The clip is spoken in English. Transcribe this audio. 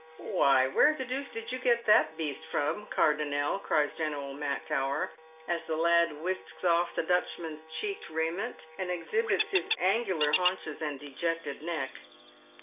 " Why, where the deuce did you get that beast from, Car donnel V " cries General Mactowcr, as the lad whisks off the Dutchman's checked raiment, and exhibits his angular haunches and dejected neck.